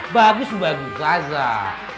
bagus tuh bagus azah